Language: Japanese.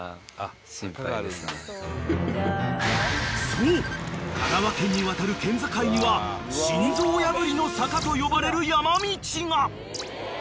［そう香川県に渡る県境には心臓破りの坂と呼ばれる山道が］